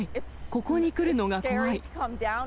ここに来るのが怖い。